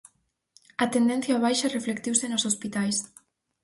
A tendencia á baixa reflectiuse nos hospitais.